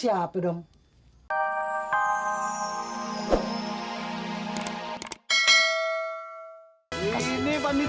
baik baik baik